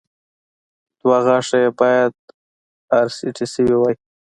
دوه غاښه يې باید ار سي ټي شوي وای